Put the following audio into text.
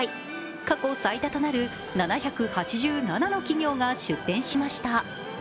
過去最大となる７８７の企業が出展しました。